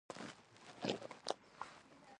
په دې پړاو کې پانګوال خپله مولده پانګه بدلوي